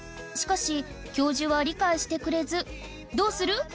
しかし教授は理解してくれずどうする？